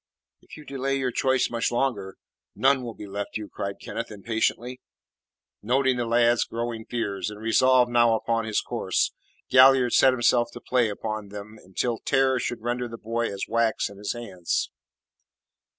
"If you delay your choice much longer, none will be left you," cried Kenneth impatiently. Noting the lad's growing fears, and resolved now upon his course, Galliard set himself to play upon them until terror should render the boy as wax in his hands.